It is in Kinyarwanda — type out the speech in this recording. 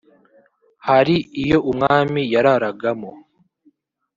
Hari iyo umwami yararagamo